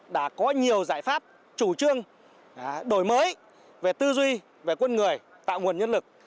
đã có nhiều giải pháp chủ trương đổi mới về tư duy về quân người tạo nguồn nhân lực